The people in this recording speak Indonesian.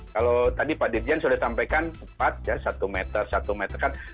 kalau tadi pak dirjen sudah sampaikan empat ya satu meter satu meter kan